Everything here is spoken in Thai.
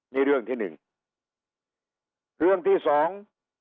นี่เรื่องที่หนึ่งเรื่องที่สอง